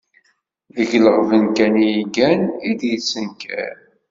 Deg leɣben kan i yeggan, i d-yettenkar.